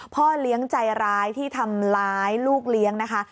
พ่อเลี้ยงใจร้ายที่ทำร้ายลูกเลี้ยงนะคะ